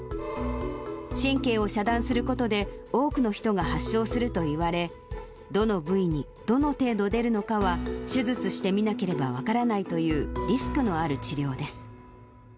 神経を遮断することで、多くの人が発症するといわれ、どの部位に、どの程度出るのかは手術してみなければ分からないというリスクのある治療です。